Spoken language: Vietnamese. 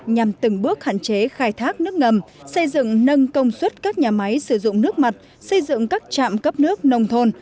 nhằm từng bước hạn chế khai thác nước ngầm xây dựng nâng công suất các nhà máy sử dụng nước mặt xây dựng các trạm cấp nước nông thôn